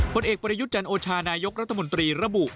ผลเอกประยุทธ์จันโอชานายกรัฐมนตรีระบุ